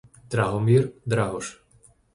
Drahomír, Drahoš